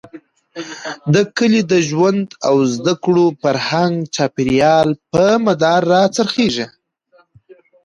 د کلي د ژوند او زده کړو، فرهنګ ،چاپېريال، په مدار را څرخېږي.